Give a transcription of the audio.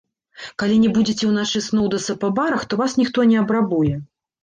Калі не будзеце ўначы сноўдацца па барах, то вас ніхто не абрабуе.